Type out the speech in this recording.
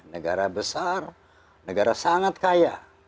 negara besar negara sangat kaya